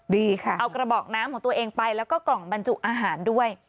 ดีค่ะเอากระบอกน้ำของตัวเองไปแล้วก็กล่องบรรจุอาหารด้วย